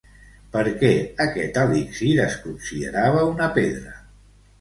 Per què aquest elixir es considerava una pedra?